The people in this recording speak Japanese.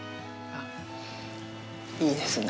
あっ、いいですね。